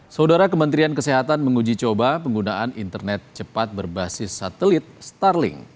saudara kementerian kesehatan menguji coba penggunaan internet cepat berbasis satelit starling